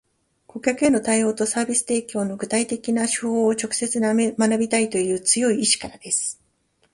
顧客への対応とサービス提供の具体的な手法を直接学びたいという強い意志からです